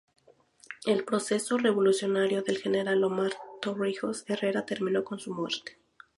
El proceso revolucionario del general Omar Torrijos Herrera terminó con su muerte.